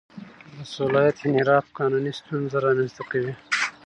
د صلاحیت انحراف قانوني ستونزه رامنځته کوي.